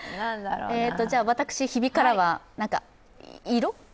私、日比からは、なんか色？